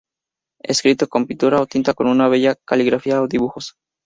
Escrito con pintura o tinta con una bella caligrafía o dibujos.